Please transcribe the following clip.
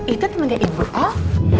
itu teman dari ibu oh